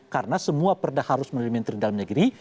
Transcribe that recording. karena semua perda harus melalui menteri dalam negeri